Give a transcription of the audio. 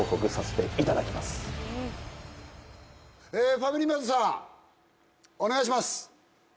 ファミリーマートさんお願いします。